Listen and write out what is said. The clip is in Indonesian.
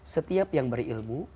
setiap yang berilmu